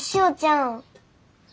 ん？